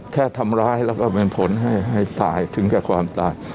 แค่ทำร้ายแล้วก็เป็นผลให้ตายถึงแก่ความตาย